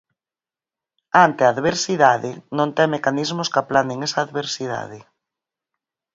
Ante a adversidade, non ten mecanismos que aplanen esa adversidade.